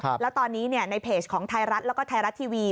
แล้วตอนนี้เนี่ยในเพจของไทยรัฐแล้วก็ไทยรัฐทีวี